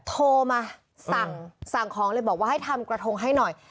โทรมาสั่งของเลยบอกว่าให้ทำกระทงให้หน่อย